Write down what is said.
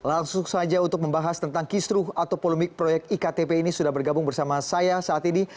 langsung saja untuk membahas tentang kisruh atau polemik proyek iktp ini sudah bergabung bersama saya saat ini